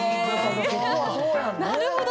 なるほど。